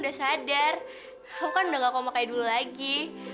udah sadar aku kan udah gak mau kayak dulu lagi